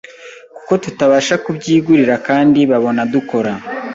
Kuko tutabasha kubyigurira kandi babona dukora